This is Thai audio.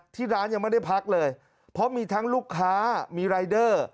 ที่ร้านยังไม่ได้พักเลยเพราะมีทั้งลูกค้ามีรายเดอร์